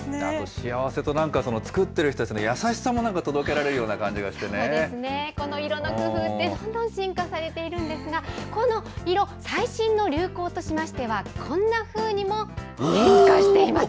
幸せとなんか作ってる人たちの優しさも、なんか届けられるよそうですね、この色の工夫って、どんどん進化されているんですが、この色、最新の流行としましては、こんなふうにも変化しています。